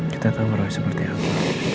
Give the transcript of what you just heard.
kita tahu merasa seperti apa